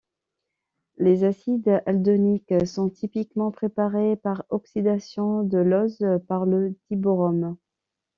Les acides aldoniques sont typiquement préparés par oxydation de l'ose par le dibrome.